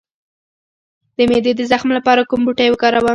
د معدې د زخم لپاره کوم بوټی وکاروم؟